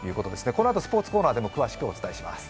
このあとスポーツコーナーでも詳しくお伝えします。